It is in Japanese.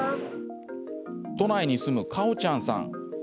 都内に住むかおちゃんさん。